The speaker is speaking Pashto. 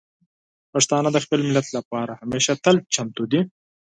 پښتانه د خپل ملت لپاره همیشه تل چمتو دي.